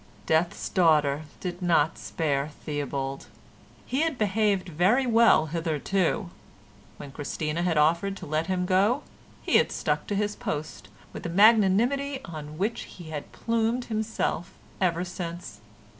Death's daughter did not spare Theobald. He had behaved very well hitherto. When Christina had offered to let him go, he had stuck to his post with a magnanimity on which he had plumed himself ever since.